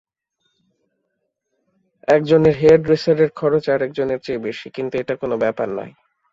একজনের হেয়ারড্রেসারের খরচ আরেকজনের চেয়ে বেশি, কিন্তু এটা কোনো ব্যাপার নয়।